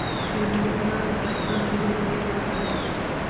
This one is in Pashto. لمریز ځواک د افغانستان د ملي هویت نښه ده.